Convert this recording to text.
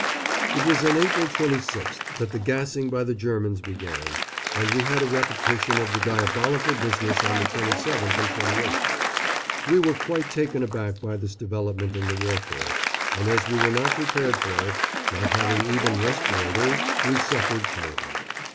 It was on April 26th that the gassing by the Germans began, and we had a repetition of the diabolical business on the 27th and 28th. We were quite taken aback by this development in the warfare, and as we were not prepared for it, not having even respirators, we suffered terribly.